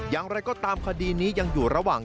อย่างไรก็ตามคดีนี้ยังอยู่ระหว่าง